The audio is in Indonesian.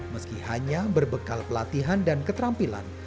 meski hanya berbekal pelatihan dan keterampilan